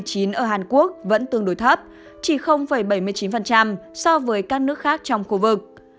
tỉ lệ tử vong vì covid một mươi chín ở hàn quốc vẫn tương đối thấp chỉ bảy mươi chín so với các nước khác trong khu vực